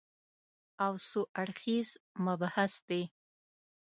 او څو اړخیز مبحث دی